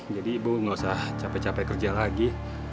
jadi bu gak usah capek capek kerja lagi